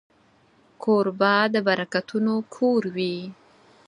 کوربه د برکتونو کور وي.